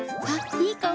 いい香り。